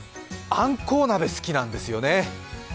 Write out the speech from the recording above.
あんこう鍋好きなんですよね。